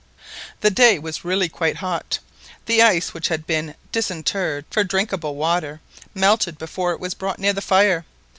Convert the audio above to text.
The day was really quite hot. The ice which had been "disinterred" for drinkable water melted before it was brought near the fire.